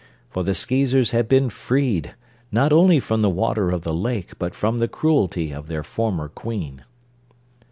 For the Skeezers had been freed, not only from the water of the lake but from the cruelty of their former Queen.